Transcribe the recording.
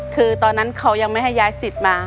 คือตอนนั้นเขายังไม่ให้ย้ายสิทธิ์มา